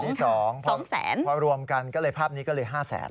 ที่สอง๒แสนพอรวมกันภาพนี้ก็เลย๕แสน